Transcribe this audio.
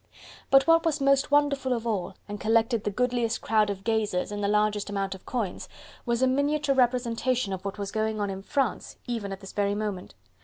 But what was most wonderful of all and collected the goodliest crowd of gazers and the largest amount of coins, was a miniature representation of what was going on in France even at this very moment.